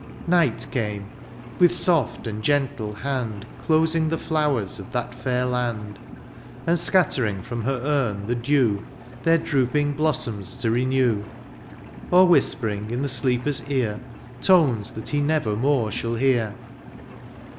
Night came, with soft and gentle hand Closing the flowers of that fair land. And scattering from her urn the dew. Their drooping blossoms to renew ; Or whispering in the sleeper's ear Tones that he never more shall hear.